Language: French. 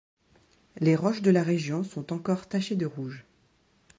Les roches de la région sont encore tachées de rouge.